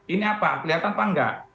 ini apa kelihatan apa enggak